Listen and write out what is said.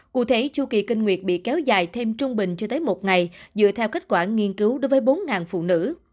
cụ thể chu kỳ kinh nguyệt bị kéo dài thêm trung bình chưa tới một ngày dựa theo kết quả nghiên cứu đối với bốn phụ nữ